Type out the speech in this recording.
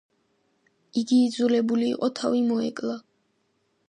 იგი იძულებულ იყო თავი მოეკლა.